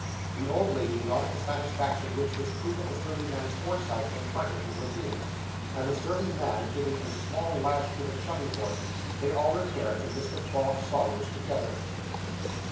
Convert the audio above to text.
The old lady nodded the satisfaction which this proof of the surly man's foresight imparted to her feelings; and the surly man giving a smart lash to the chubby horse, they all repaired to Mr. Bob Sawyer's together.